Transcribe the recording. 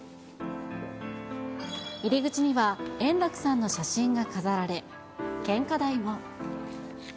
入り口には、円楽さんの写真が飾られ、献花台も。